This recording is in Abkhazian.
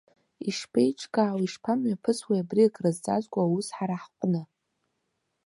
Ишԥеиҿкаау, ишԥамҩаԥысуеи абри акрызҵазкуа аус ҳара ҳҟны?